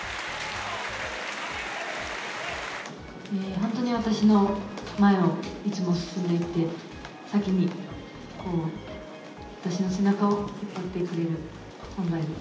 本当に私の前をいつも進んでいて、先に私の背中を引っ張ってくれる存在です。